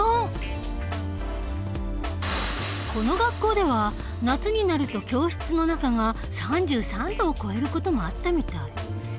この学校では夏になると教室の中が３３度を超える事もあったみたい。